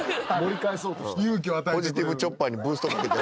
ポジティブチョッパーにブーストかけて。